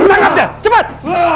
tangkap dia cepat